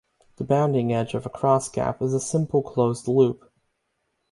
The bounding edge of a cross-cap is a simple closed loop.